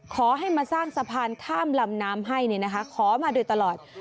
ขอให้มาสร้างสะพานข้ามลำน้ำให้ขอมาโดยตลอด